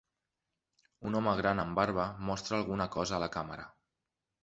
Un home gran amb barba mostra alguna cosa a la càmera.